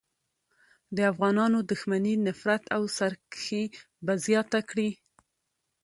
د افغانانو دښمني، نفرت او سرکښي به زیاته کړي.